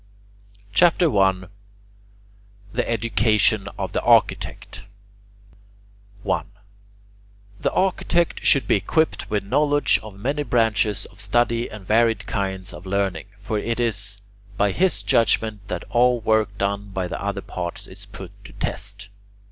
CHAPTER I THE EDUCATION OF THE ARCHITECT 1. The architect should be equipped with knowledge of many branches of study and varied kinds of learning, for it is by his judgement that all work done by the other arts is put to test.